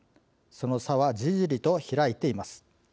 その差はじりじりと開いています。